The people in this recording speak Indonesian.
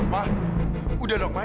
ma udah dong ma